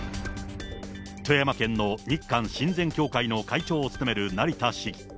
富山県の日韓親善協会の会長を務める成田市議。